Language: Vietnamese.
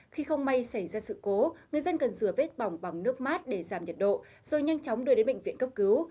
khi không may xảy ra sự cố người dân cần rửa vết bỏng bằng nước mát để giảm nhiệt độ rồi nhanh chóng đưa đến bệnh viện cấp cứu